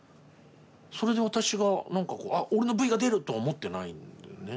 それで私が何か「あっ俺のＶが出る」とは思ってないんだよね。